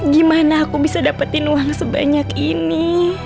gimana aku bisa dapetin uang sebanyak ini